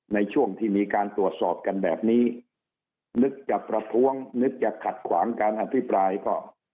ในช่วงที่มีการตรวจสอบกันแบบนี้นึกจะประท้วงนึกจะขัดขวางการอภิปรายก็